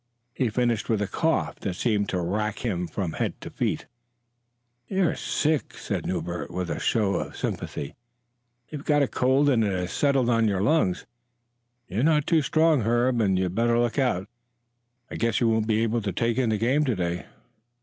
He finished with a cough that seemed to wrack him from head to feet. "You're sick," said Newbert, with a show of sympathy. "You've got a cold, and it has settled on your lungs. You're none too strong, Herb, and you'd better look out. I guess you won't be able to take in the game to day."